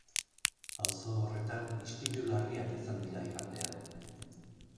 Auzo horretan istilu larriak izan dira igandean.